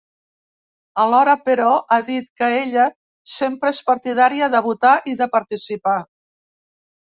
Alhora, però, ha dit que ella sempre és partidària de votar i de participar.